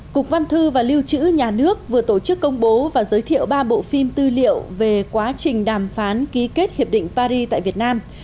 cục văn thư và lưu trữ nhà nước vừa tổ chức công bố và giới thiệu ba bộ phim tư liệu về quá trình đàm phán ký kết hiệp định paris tại việt nam